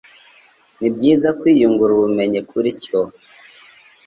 nibyiza kwiyungura ubumenyi kuri cyo